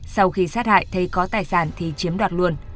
sau khi sát hại thấy có tài sản thì chiếm đoạt luôn